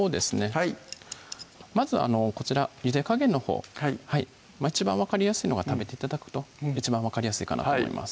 はいまずこちらゆで加減のほう一番分かりやすいのは食べて頂くと一番分かりやすいかなと思います